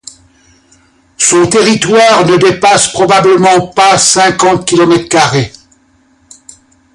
Son territoire ne dépasse probablement pas cinquante kilomètres carrés.